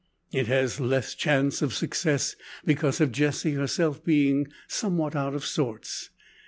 It has less chance of success, because of Jessie herself being somewhat out of sorts.